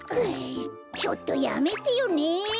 ちょっとやめてよね！